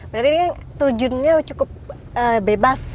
berarti ini kan terjunnya cukup bebas